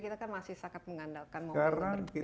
kita kan masih sangat mengandalkan mobil